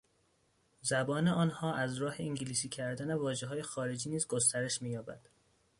زبان آنها ازراه انگلیسی کردن واژه های خارجی نیز گسترش مییابد.